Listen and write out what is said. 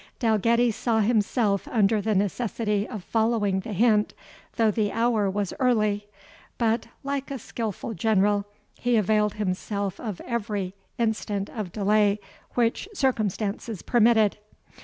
Dalgetty saw himself under the necessity of following the hint, though the hour was early; but, like a skilful general, he availed himself of every instant of delay which circumstances permitted.